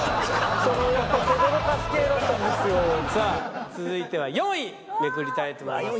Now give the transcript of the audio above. さあ続いては４位めくりたいと思います